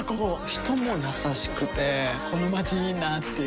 人も優しくてこのまちいいなぁっていう